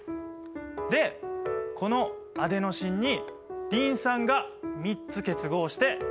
でこのアデノシンにリン酸が３つ結合しています。